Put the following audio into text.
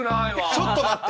ちょっと待って！